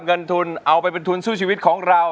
เงินทุนเอาไปเป็นทุนสู้ชีวิตของเรา